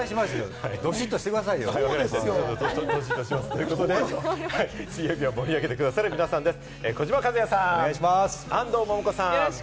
シャキッとしてくださいよ。ということで水曜日を盛り上げてくださる皆さんです。